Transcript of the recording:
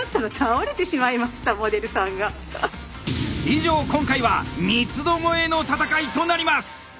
以上今回は三つどもえの戦いとなります！